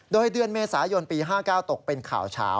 โดยเดือนเมษายนปี๕๙ตกเป็นข่าวเฉา